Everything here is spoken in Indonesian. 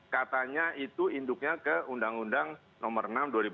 katanya itu induknya ke undang undang nomor enam dua ribu empat